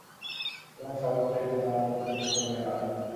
এবং শহর থেকে জনগনকে সরিয়ে নাও।